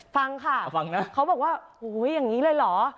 ฟังค่ะเขาบอกว่าโอ้ยอย่างนี้เลยเหรอ